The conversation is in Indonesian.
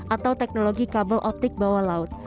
atau teknologi kabel optik bawah laut